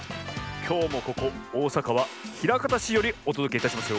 きょうもここおおさかはひらかたしよりおとどけいたしますよ。